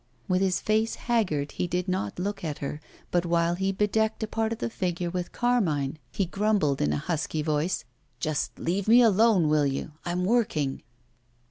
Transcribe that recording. With his face haggard, he did not look at her; but while he bedecked a part of the figure with carmine, he grumbled in a husky voice: 'Just leave me alone, will you? I'm working.